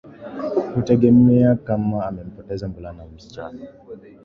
Hutegemea kama amempoteza mvulana au msichana